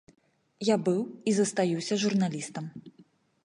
Я быў і застаюся журналістам.